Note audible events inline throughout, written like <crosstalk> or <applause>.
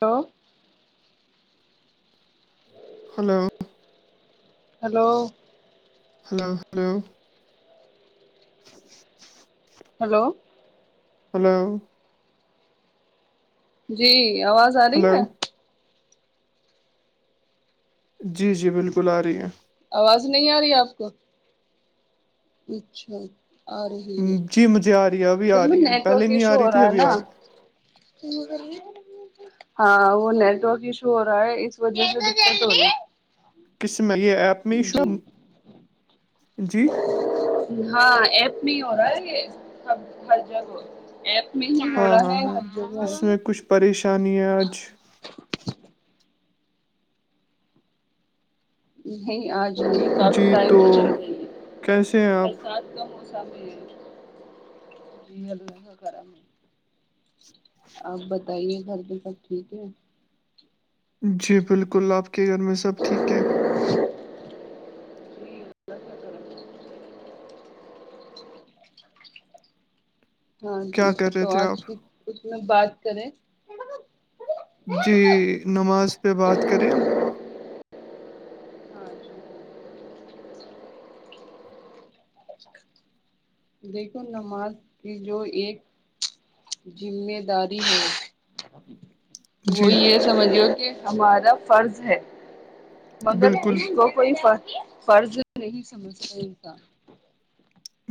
تو hello hello hello hello hello hello جی اواز ا رہی ہلو ہے جی جی بالکل ارہی ہے اواز نہیں اری اپ کو اچھا ارہی جی مجھے آ رہی ابھی ہے آ رہی ہے پہلے نیٹورک نہیں ایشو آ ہو رہی تھی رہا ہے ابھی نا آ رہی ہاں وہ نیٹورک ایشو ہو رہا ہے اس وجہ سے دے دو جلدی دقت ہو رہی کس میں یہ ایپ میں ایشو جی جی ہاں ایپ میں ہی ہو رہا ہے یہ ہر جگہ ایپ میں ہی ہو رہا ہے جو وہ پریشانیاں آج نہیں آ ج نہیں کافی ٹائم تو چل رہی ہے کیسے ہیں <unintelligible> ک آپ برسات کا موسم ہے یہ جی اللہ کا کرم ہے آپ بتائیے گھر میں سب ٹھیک ہے جی بالکل آپ کے گھر میں سب ٹھیک ہیں ہاں جی کیا کر رہے تو تھے آج بھی آپ اس میں بات کریں جی نماز پہ بات کرے دیکھو نماز کی جو ایک زمیداری ہے جی وہ یہ سمجھ ہو کہ ہمارا فرض ہے مگر بالکل اس کو کوئی فر فرض نہیں سمجھتے تھا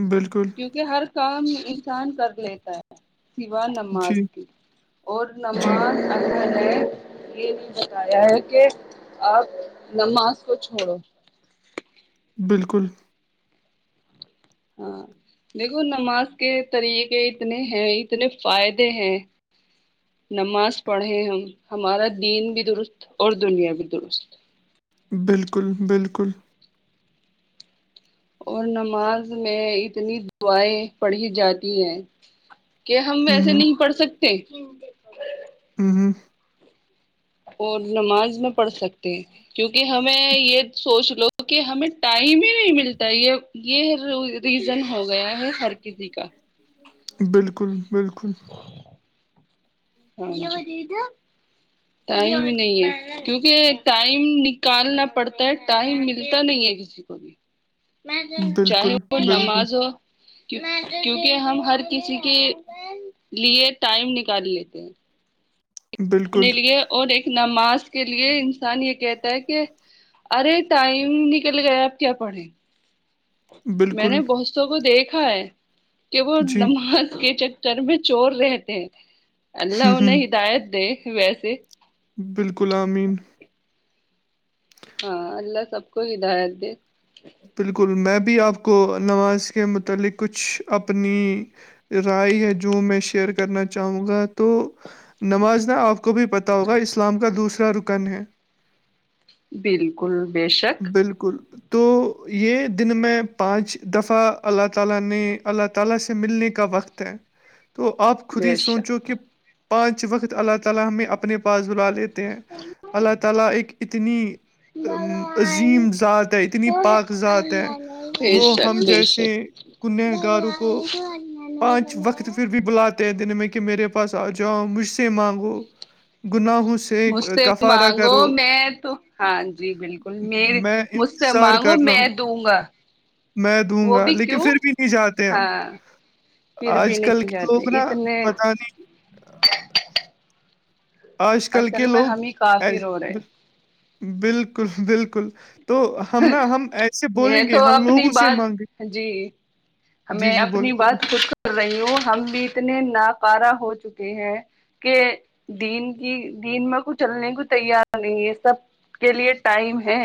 بالکل کیونکہ ہر کام انسان کر لیتا ہے سیوا نماز جی کی اور جی نماز اللہ نے یہ نہیں بتایا ہے کہ آپ نماز کو چھوڑو بالکل ہاں دیکھو نماز کے طریقے اتنے ہیں اتنے فائدے ہیں نماز پڑھیں ہم ہمارا دین بھی درست اور دنیا بھی درست بالکل بالکل اور نماز میں اتنی دعائیں پڑھی جاتی ہیں کہ ہم ہوں ویسے نہیں پڑھ سکتے ہوں ہ اور نماز میں پڑھ سکتے ہیں کیونکہ ہمیں یہ سوچ لوگ ک ہمیں ٹائم ہی نہیں ملتا یہ ہے ریزن ہو گیا ہے ہر کسی کا بالکل بالکل ٹائم ہی نہیں ہے کیونکہ ٹائم نکالنا پڑتا ہے ٹائم ملتا نہیں ہے کسی کو بھی چاہے بالکل، وہ بالکل، نماز ہو کیونکہ ہم ہر کسی کے لیے ٹائم نکال لیتے ج اپنے بالکل، لیے اور ایک نماز کے لیے انسان یہ کہتا ہے کہ ارے ٹائم نکل گیا اب کیا پڑھیں میں بالکل، نے بہتوں کو دیکھا ہے کہ وہ جی، نماز کے چ چر میں چور رہتے ہیں ہوں، اللہ ہوں، انہیں ہدایت دے ویسے بالکل امین ہاں اللہ سب کو ہدایت دے بالکل میں بھی آپ کو نماز کے متعلق کچھ اپنی رائے یا جو میں شیئر کرنا چاہوں گا تو نماز نا آپ کو بھی پتا ہوگا اسلام کا دوسرا رکن ہے بالکل بے شک بالکل تو ہ یہ دن میں پانچ دفعہ اللہ تعالی نے اللہ تعالی سے ملنے کا وقت ہے تو آپ خود ہی بے سوچو شک کہ پانچ وقت اللہ تعالی ہمیں اپنے پاس بلا لیتے ہیں اللہ تعالی ایک اتنی ام، <unintelligible> عظیم ذات ہے اتنی کو پاک ذات ہے اللہ نے بے وہ شک ہم بے جیسے شک کنہگاروں کو بھگوان اللہ نے پانچ وقت بنایا پر بھی بلاتے ہیں دن میں کہ میرے پاس آ جاؤ مجھ سے مانگو گناہوں سے مجھ سے کفارہ مانگو کرو، میں تو ہاں جی بالکل میری میں مجھ سے انتظار مانگو کر رہا میں ہوں۔ دوں گا میں دوں وہ گا بھی لیکن کیوں پھر بھی نہیں جاتے ہم ہاں پھر بھی آج کل نہیں کے جاتے لوگ نا اتنے پتہ نہیں آج کل کے اصل میں لوگ ہم ہی کافر ہو رہے بالکل بالکل تو ہم نا ہم ایسے ہیں بولیں گے تو ہم لوگ اپنی اسے بات مانگیں جی جی ہمیں جی اپنی بولیے بات خود کر رہی ہوں ہم بھی اتنے ناکارا ہو چکے ہیں کہ دین کی دین میں کو چلنے کو تیار نہیں ہے سب کے لیے ٹائم ہے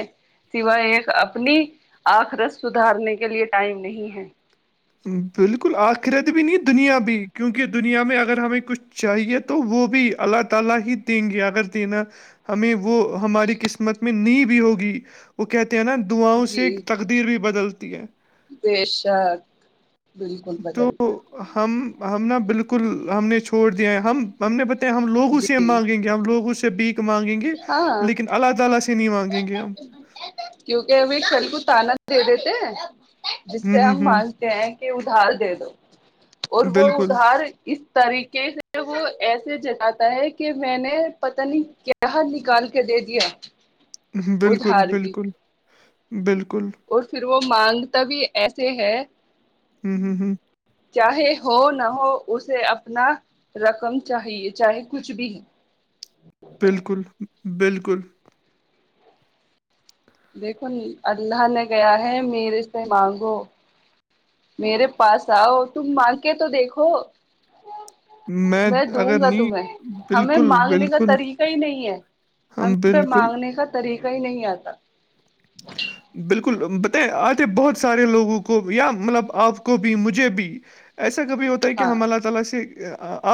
سوائے ایک اپنی آخرت سدھارنے کے لیے ٹائم نہیں ہے بالکل آخرت بھی نہیں دنیا بھی کیونکہ دنیا میں اگر ہمیں کچھ چاہیے تو تو وہ بھی اللہ تعالی ہی دیں گے اگر دینا ہمیں وہ ہماری قسمت میں نہیں بھی ہوگی وہ کہتے ہیں نا دعاؤں جی سے تقدیر بھی بدلتی ہے بے شک بالکل تو بدل ہم ہم نا بالکل ہم نے چھوڑ دیا ہے ہم ہم نے بتایا ہم لوگ اسے جی مانگیں گے ہم لوگ اس سے بیک مانگیں گے ہاں لیکن اللہ تعالی سے نہیں مانگیں گے ہم کیونکہ وہ شال کو تالا دے دیتے جس ہوں سے ہوں ہم ہوں مانتے ہیں کہ ادھار دے دو اور وہ بالکل ادھار اس طریقے سے وہ ایسے جتاتا ہے کہ میں نے پتا نہیں کیا یہاں نکال کے دے دیا بالکل ادھار بھی بالکل بالکل اور پھر وہ مانگتا بھی ایسے ہے ہوں ہوں ہوں چاہے ہو نہ ہو اسے اپنا رقم چاہیے چاہے کچھ بھی ہے بالکل بالکل دیکھو اللہ نے کہا ہے میرے سے مانگو میرے پاس آؤ تم مانگ کے تو دیکھو میں دوں اگر گا نہیں تمہیں ہمیں بالکل مانگنے کا بالکل طریقہ ہی نہیں ہے ہم پہ مانگنے کا طریقہ ہی نہیں آتا بالکل ب آتے بہت سارے لوگوں کو یا مطلب آپ کو بھی مجھے بھی ایسا کبھی ہوتا تو کہہ ہاں ہم اللہ تعالی سے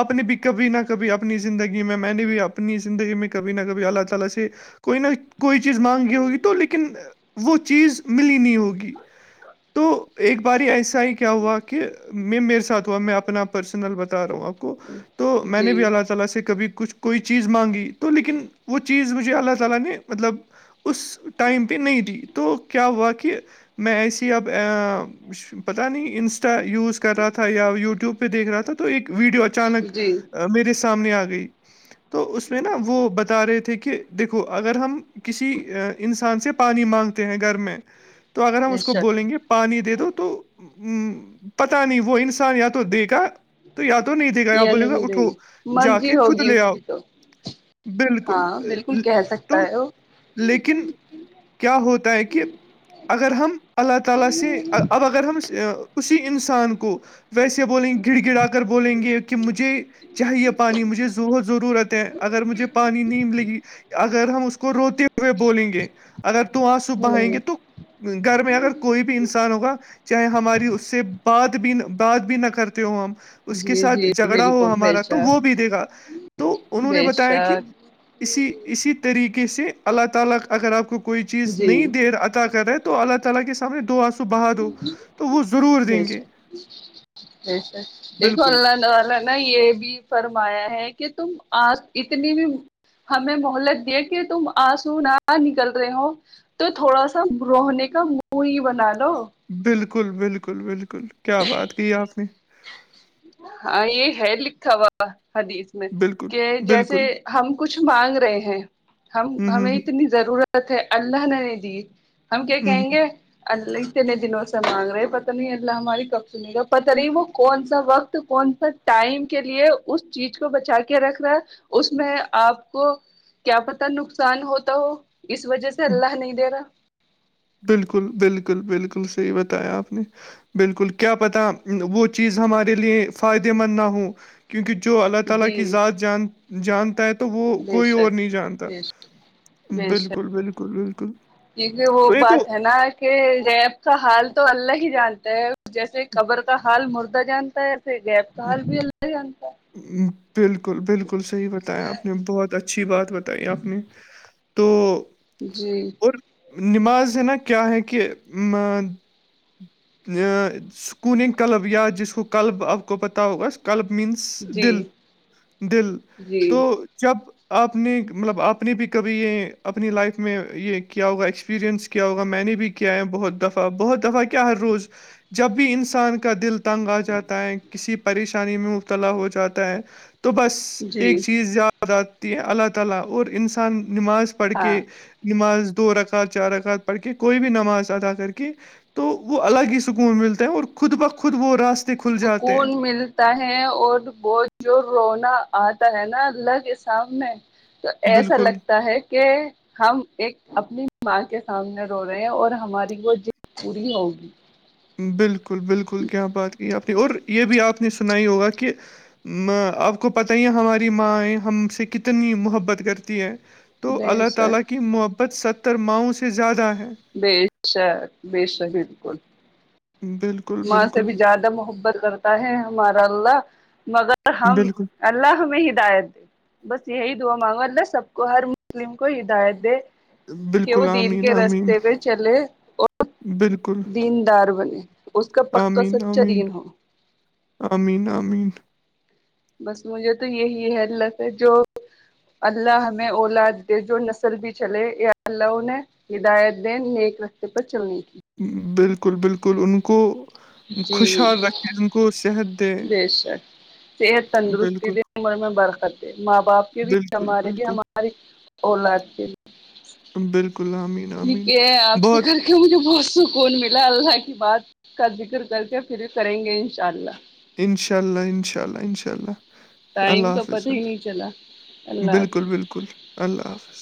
آپ نے بھی کبھی نہ کبھی اپنی زندگی میں میں نے بھی اپنی زندگی میں کبھی نہ کبھی اللہ تعالی سے کوئی نہ کوئی چیز مانگی ہوگی تو لیکن وہ چیز ملی نہیں ہوگی تو ایک بار ایسا ہی کیا ہوا کہ میں میرے سات ہوا میں اپنا پرسنل بتا رہا ہوں آپ کو تو میں نے بھی جی اللہ تعالی سے کبھی کچھ کوئی چیز مانگی تو لیکن وہ چیز مجھے اللہ تعالی نے مطلب اس ٹائم پہ نہیں دے تو کیا ہوا کہ میں ایسی اب پتا نہیں ان یوز کر رہا تھا یا یوٹیوب پہ دیکھ رہا تھا تو ایک ویڈیو اچانک جی میرے سامنے آ گئی تو اس میں نا وہ بتا رہے تھے کہ دیکھو اگر ہم کسی انسان سے پانی مانگتے ہیں گھر میں تو اگر ہم بے اس کو شک بولیں گے پانی دے دو تو ا پتا نہیں وہ انسان یا تو دے گا تو یاد تو نہیں دے گا یہ بولے گا نہیں دے اٹھو گی جا مرضی کے خود ہوگی لے اس آؤ کی تو بالکل ہاں بالکل کہہ تو سکتا ہے وہ لیکن کیا ہوتا ہے کہ اگر ہم اللہ تعالی سے اب اگر ہم اسی انسان کو ویسے بولیں گے گڑ گڑا کر بولیں گے کہ مجھے چاہیے پانی مجھے ضرورت ہے اگر مجھے پانی نہیں ملے گی اگر ہم اس کو روتے ہوئے بولیں گے اگر دو آسو بہائے ہ گے تو گھر میں اگر کوئی بھی انسان ہوگا چاہے ہماری اس سے بات بھی بات بھی نہ کرتے ہو ہم اس کے جی ساتھ جی جھگڑا ہو بالکل بے ہمارا تو وہ شک بھی دے گا تو انہوں نے بے بتایا کہ شک اسی اسی طریقے سے اللہ تعالی اگر آپ کو کوئی چیز جی نہیں دے عطا کرے اللہ تعالی کے سامنے دو آنسو بہا دو تو وہ ضرور دیں گے اسیا کیونکہ بالکل اللہ تعالی ا یہ بھی فرمایا ہے کہ تم آج اتنی بھی ہمیں مہلت دیا کہ تم آنسونا آ نکل رہے ہو تو تھوڑا سا رونے کا منہ ہی بنا لو بالکل بالکل بالکل کیا بات کی آپ نے ہاں یہ ہے لکھا ہوا حدیث میں بالکل کہ جیسے بالکل ہم کچھ مانگ رہے ہیں ہم ہوں ہوں ہمیں ہوں اتنی ضرورت ہے اللہ نے نہیں دی ہم کیا ہوں کہیں گے اللہ اتنے دنوں سے مانگ رہے پتا نہیں اللہ ہماری کب سنے گا پتا نہیں وہ کون سا وقت تو کون سا ٹائم کے لیے اس چیز کو بچا کے رکھ رہا ہے اس میں آپ کو کیا پتا نقصان ہوتا ہو اس وجہ سے ہوں اللہ نہیں دے رہا بالکل بالکل بالکل صحیح بتایا آپ نے بالکل کیا پتا وہ چیز ہمارے لیے فائدے مند نہ ہو کیونکہ جو اللہ تعالی جی کی ذات جان جانتا ہے تو وہ بے کوئی اور شک نہیں جانتا بے شک بالکل بالکل بالکل یہ وہ تو تو بات ہے نا کہ گیپ کا حال تو اللہ ہی جانتا ہے جیسے قبر کا حال مردہ جانتا ہےسے گیپ کا حال بھی اللہ جانتا ہے بالکل بالکل صحیح بتایا آپ نے بہت اچھی بات بتائی آپ نے تو جی نماز ہے نا کیا ہے کہ سکوننگ کلب یا جس کو کلب آپ کو پتہ ہوگس کلب مینس جی دل دل جی تو جب آپ نے مطلب آپ نے بھی کبھی یہ اپنی لائف میں یہ کیا ہوگا ایکسپریئنس کیا ہوا میں نے بھی کیا ہے بہت دفعہ بہت دفعہ کیا ہر روز جب بھی انسان کا دل تنگ آ جاتا ہے کسی پریشان انی میں مبتلا ہو جاتا ہے تو بس جی ایک چیز زیادہ آتی ہیں اللہ تعالی اور انسان نماز پڑھ ہاں کے نماز دو رکعت چار رکعت پڑھ کے کوئی بھی نماز ادا کر کے تو وہ الگ ہی سکون ملتا ہیں اور خود بخود وہ راست سکون مل تا ہے اور ب جو رونا آتا ہے نا اللہ کے سامنے تو ایسا بالکل لگتا ہے کہ ہم ایک اپنی ماں کے سامنے رو رہے ہیں اور ہماری وہ جد پوری ہوگی بالکل بالکل کیا بات کی آپ نے اور یہ بھی آپ نے سنائی ہوگا کہ آپ کو پتا ہی ہے ہماری ماںیں ہم سے کتنی محبت کرتی ہے تو بے اللہ تعالی شک کی محبت ستر ماؤں سے زیادہ ہے بے شک بے شک بالکل بال ماں سے بھی زیادہ محبت کرتا ہے ہمارا اللہ مگر ہم بالکل اللہ ہمیں ہدایت دے بس یہی دعا مانگو اللہ سب کو ہر مسلم کو ہدایت دے کہ وہ بالکل دین آمین کے آمین رستے پہ چلے اور بالکل دیندار بنے اس کا پکا آمین سچا آمین دین ہو امین امین بس مجھے تو یہی ہے اللہ پے جو اللہ ہمیں اولاد دے جو نسل بھی چلے یا اللہ نے ہدایت دیں نیک رستے پر چلنے کی بالکل بالکل ان کو جی خوشحال رکھے جن کو صحت دے بے شک صحت تندرستی بالکل دے عمر میں برکت دے ماں باپ کے بھی بالکل ہمارے بھی بالکل ہم ہر ایک اولاد کے بالکل امین ٹھیک آمین ہے آپ سے بہت کر کے مجھے بہت سکون ملا اللہ کی بات کا ذکر کر کے پھر کریں گے انشاء اللہ انشاء اللہ انشاء اللہ انشاء اللہ اللہ ٹائم کا حافظ پتہ ہی نہیں چلا اللہ بالکل حافظ بالکل اللہ حافظ